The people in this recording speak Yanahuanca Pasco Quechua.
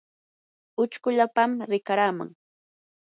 uchkulapam rikaraman.